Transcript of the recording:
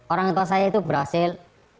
orang tua saya itu berhasil